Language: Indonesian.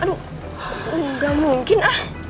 aduh enggak mungkin ah